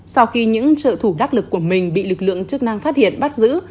sau khi những trợ thủ đắc lực của mình bị lực lượng chức năng phát hiện bắt giữ